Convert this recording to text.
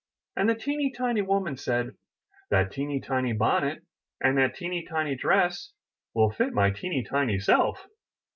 And the teeny tiny woman said: *'That teeny tiny bonnet and that teeny tiny dress will fit my teeny tiny self.